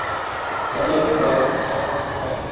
রাজিয়াকে বল আমার কাছে সময় নেই।